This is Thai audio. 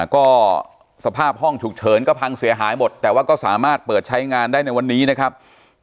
ก็สภาพห้องฉุกเฉินก็พังเสียหายหมดแต่ว่าก็สามารถเปิดใช้งานได้ในวันนี้นะครับ